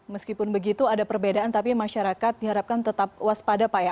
meskipun begitu ada perbedaan tapi masyarakat diharapkan tetap waspada pak ya